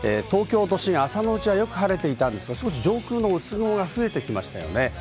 東京都心、朝のうちは、よく晴れていたんですが、上空の薄雲が増えてきました。